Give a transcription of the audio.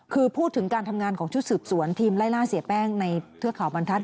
คือพูดถึงการทำงานของชุดสืบสวนทีมไล่ล่าเสียแป้งในเทือกเขาบรรทัศ